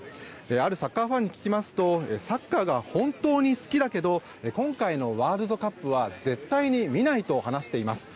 あるサッカーファンに聞きますとサッカーが本当に好きだけど今回のワールドカップは絶対に見ないと話しています。